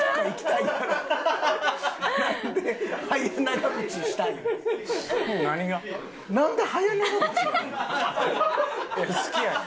いや好きやねん。